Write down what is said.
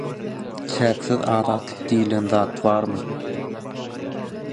Çäksiz azatlyk diýilen zat barmy?